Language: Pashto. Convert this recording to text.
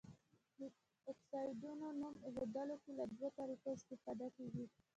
د اکسایډونو نوم ایښودلو کې له دوه طریقو استفاده کیږي.